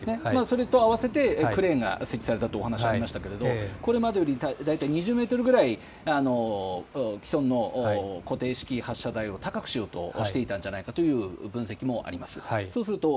それとあわせてクレーンが設置されたというお話がありましたがこれまでより大体、２０メートルぐらい、既存の固定式発射台を高くしようとしていたんじゃないかという分析もあります。